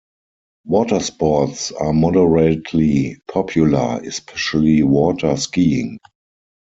Water sports are moderately popular, especially water skiing.